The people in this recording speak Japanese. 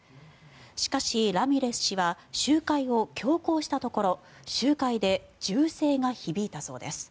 しかし、ラミレス氏は集会を強行したところ集会で銃声が響いたそうです。